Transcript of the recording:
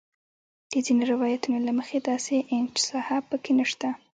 د ځینو روایتونو له مخې داسې انچ ساحه په کې نه شته.